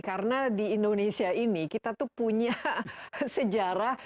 karena di indonesia ini kita tuh punya sejarah